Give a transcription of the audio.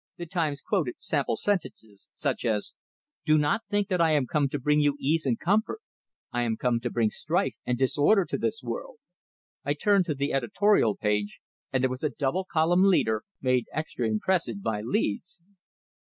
The "Times" quoted sample sentences, such as: "Do not think that I am come to bring you ease and comfort; I am come to bring strife and disorder to this world." I turned to the editorial page, and there was a double column leader, made extra impressive by leads.